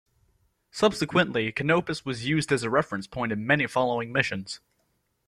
Subsequently, Canopus was used as a reference point in many following missions.